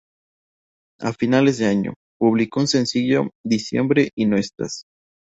A finales de año, publicó el sencillo "Diciembre y no estás".